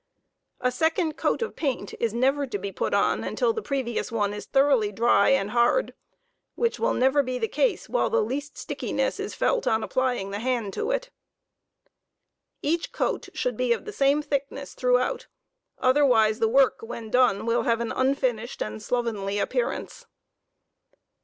A second co$t of paint is never to be put on until the previous one is thoroughly dry and hard, which will never be the case whilst the least stickiness is felt on apply ing the hand to it* Each coat should be of the same thickness throughout, otherwise the work, when done, will have au unfinished and slovenly appearance.